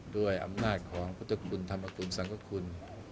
ด้วยอำนาจของพุทธคุณธรรมคุณสังกคุณ